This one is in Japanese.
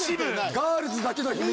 ガールズだけの秘密。